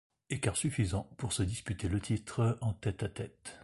Écart suffisant pour se disputer le titre en tête-à-tête.